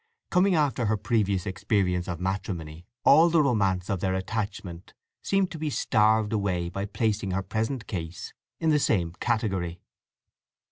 Coming after her previous experience of matrimony, all the romance of their attachment seemed to be starved away by placing her present case in the same category.